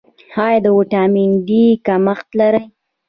ایا د ویټامین ډي کمښت لرئ؟